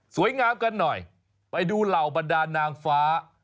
งามกันหน่อยไปดูเหล่าบรรดานางฟ้า